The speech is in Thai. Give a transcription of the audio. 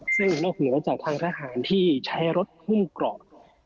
ซึ่งนอกเหนือจากทางทหารที่ใช้รถหุ้มเกราะ